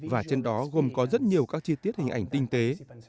và trên đó gồm có rất nhiều các chi tiết hình ảnh tinh tế